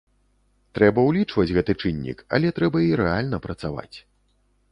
Трэба ўлічваць гэты чыннік, але трэба і рэальна працаваць.